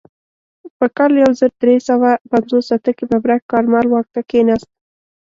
په کال یو زر درې سوه پنځوس اته کې ببرک کارمل واک ته کښېناست.